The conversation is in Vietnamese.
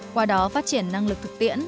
qua đó phát triển năng lực thực tiễn